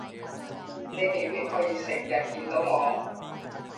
你未必可以成日見到我